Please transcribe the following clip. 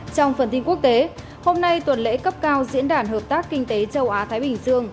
trong phần tin quốc tế hôm nay tuần lễ cấp cao diễn đàn hợp tác kinh tế châu á thái bình dương